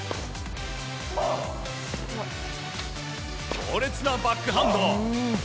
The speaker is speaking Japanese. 強烈なバックハンド。